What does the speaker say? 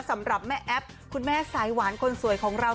สำหรับแม่แอ๊บคุณแม่สายหวานคนสวยของเรา